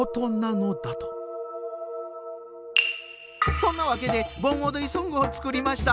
そんなわけで盆おどりソングを作りました。